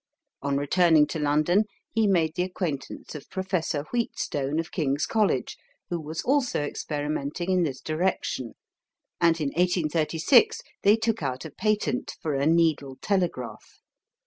On returning to London he made the acquaintance of Professor Wheatstone, of King's College, who was also experimenting in this direction, and in 1836 they took out a patent for a needle telegraph.